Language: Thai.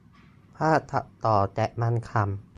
ภาพตัดต่อ แต่มันขำ